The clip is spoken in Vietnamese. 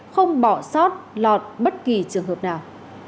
không bỏ sót lọt bất kỳ trường hợp nào